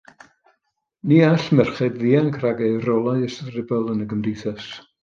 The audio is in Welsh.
Ni all merched ddianc rhag eu rolau ystrydebol yn y gymdeithas.